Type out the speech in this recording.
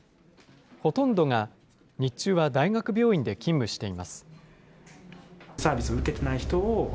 ほとんどが日中は大学病院で勤務しています。